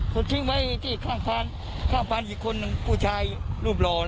โดยให้ไว้ที่ข้างภานมีคนชายรูปร่อ